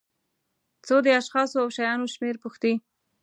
څو د اشخاصو او شیانو شمېر پوښتي.